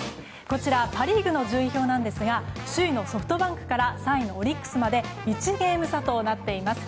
こちら、パ・リーグの順位表なんですが首位のソフトバンクから３位のオリックスまで１ゲーム差となっています。